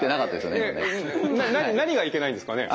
何がいけないんですかね？